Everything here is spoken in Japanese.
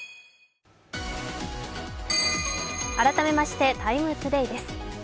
改めまして、「ＴＩＭＥ，ＴＯＤＡＹ」です。